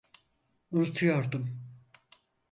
Unutuyordum.